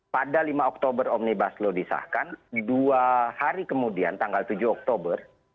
pada lima oktober omnibus law disahkan di dua hari kemudian tanggal tujuh oktober